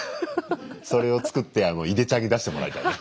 それを作っていでちゃんに出してもらいたいね。